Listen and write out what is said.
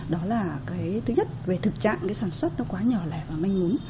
đó là cái thứ nhất về thực trạng cái sản xuất nó quá nhỏ lẻ và manh ún